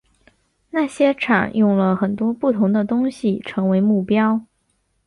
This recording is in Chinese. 那些场用了很多不同的东西成为目标。